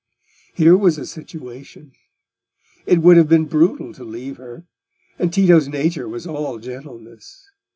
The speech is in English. Here was a situation! It would have been brutal to leave her, and Tito's nature was all gentleness.